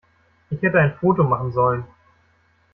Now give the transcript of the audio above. Ich hätte ein Foto machen sollen.